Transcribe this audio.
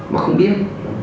mà không biết